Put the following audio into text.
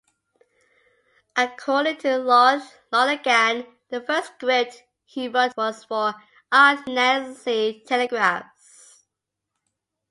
According to Lloyd Lonergan, the first script he wrote was for "Aunt Nancy Telegraphs".